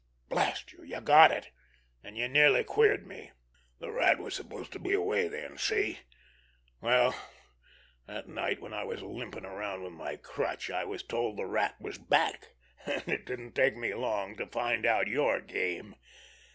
Blast you, you got it, and you nearly queered me! The Rat was supposed to be away then—see? Well, that night when I was limping around with my crutch, I was told the Rat was back—and it didn't take me long to find out your game.